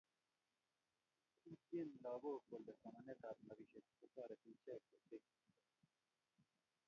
utye lagook kole somanetab nobishet kotoreti ichek ochei